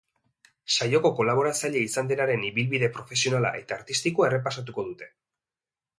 Saioko kolaboratzaile izan denaren ibilbide profesionala eta artistikoa errepasatuko dute.